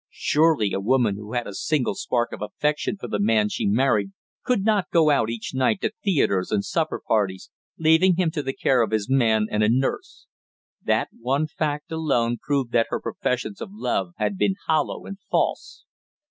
Surely a woman who had a single spark of affection for the man she had married could not go out each night to theatres and supper parties, leaving him to the care of his man and a nurse. That one fact alone proved that her professions of love had been hollow and false.